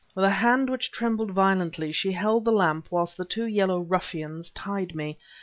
With a hand which trembled violently, she held the lamp whilst the two yellow ruffians tied me.